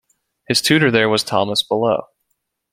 His tutor there was Thomas Balogh.